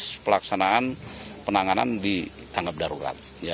proses pelaksanaan penanganan di tanggap darurat